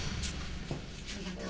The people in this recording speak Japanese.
ありがとう